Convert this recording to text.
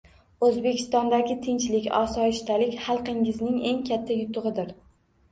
O‘zbekistondagi tinchlik-osoyishtalik xalqingizning eng katta yutug‘idir